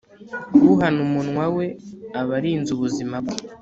uhana umunwa we aba arinze ubuzima bwe